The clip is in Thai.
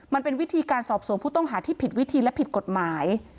มันเป็นวิธีการสอบสวนผู้ต้องหาที่ผิดวิธีและผิดกฎหมาย